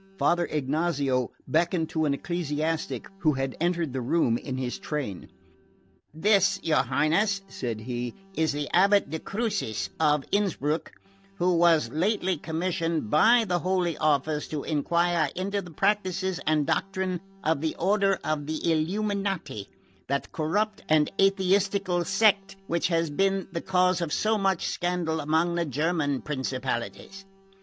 Father Ignazio beckoned to an ecclesiastic who had entered the room in his train. "This, your Highness," said he, "is the abate de Crucis of Innsbruck, who was lately commissioned by the Holy Office to enquire into the practises and doctrine of the order of the Illuminati, that corrupt and atheistical sect which has been the cause of so much scandal among the German principalities.